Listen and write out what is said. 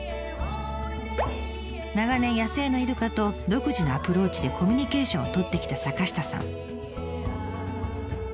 長年野生のイルカと独自のアプローチでコミュニケーションを取ってきた坂下さん。